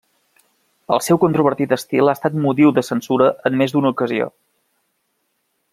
El seu controvertit estil ha estat motiu de censura en més d'una ocasió.